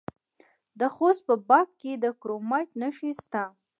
د خوست په باک کې د کرومایټ نښې شته.